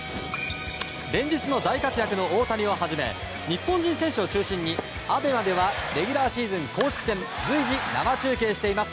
連日の大活躍の大谷をはじめ日本人選手を中心にＡＢＥＭＡではレギュラーシーズン公式戦随時生中継しています。